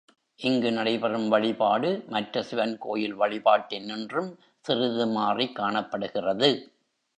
இங்கு நடைபெறும் வழிபாடு மற்ற சிவன் கோயில் வழிபாட்டினின்றும் சிறிது மாறிக் காணப்படுகிறது.